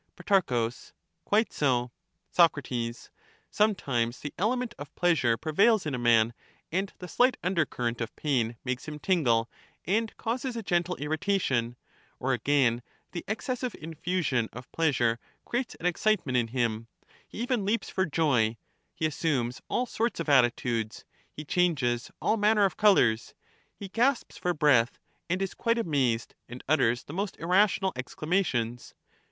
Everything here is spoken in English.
Pro, Quite so. Soc. Sometimes the element of pleasure prevails in a man, and the slight undercurrent of pain makes him tingle, and causes a gentle irritation ; or again, the excessive infiision of pleasure creates an excitement in him, — he even leaps for joy, he assumes all sorts of attitudes, he changes all manner of colours, he gasps for breath, and is quite amazed, and utters the most irrational exclamations.